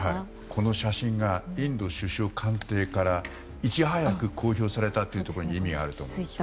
この写真がインド首相官邸からいち早く公表されたところに意味があると思います。